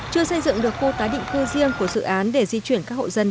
chưa xây dựng được khu tái định cư riêng của dự án để di chuyển các hội dân đến nơi ở mới